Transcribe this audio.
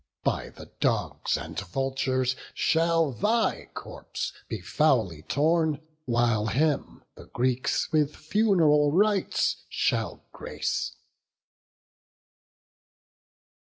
By the dogs And vultures shall thy corpse be foully torn, While him the Greeks with fun'ral rites shall grace."